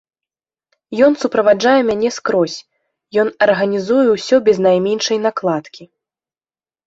Ён суправаджае мяне скрозь, ён арганізуе ўсё без найменшай накладкі.